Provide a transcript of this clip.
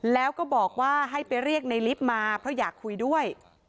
แล้วก็บอกว่าให้ไปเรียกในลิฟต์มาเพราะอยากคุยด้วย